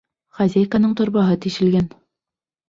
Хозяйканың торбаһы тишелгән.